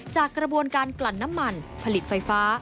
จากกระบวนการกลั่นน้ำมันผลิตไฟฟ้า